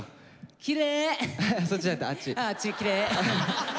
きれい。